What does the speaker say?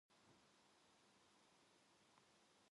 선비는 무슨 말끝인지 알아듣지 못하였으나 다시 묻지는 못하고 돌아섰다.